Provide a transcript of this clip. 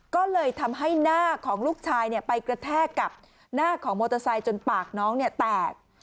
ก็เลยทำให้หน้าของลูกชายไปกระแทกกับหน้าของมอเตอร์ไซค์จนปากน้องแตก